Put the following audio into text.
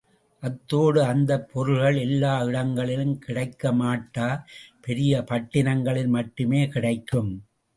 அதோடு அந்தப் பொருள்கள் எல்லா இடங்களிலும் கிடைக்கமாட்டா, பெரிய பட்டணங்களில் மட்டுமே கிடைக்கும்.